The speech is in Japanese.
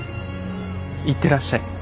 行ってらっしゃい。